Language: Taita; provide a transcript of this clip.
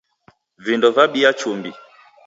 Vindo vabia chumbi.